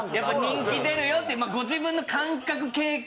人気出るよっていうご自分の感覚経験。